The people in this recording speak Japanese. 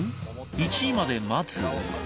１位まで待つ？